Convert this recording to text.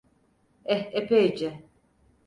Eh, epeyce!